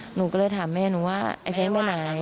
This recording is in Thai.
หนูก็เลยถามแม่หนูว่าไอ้เฟสวันไหน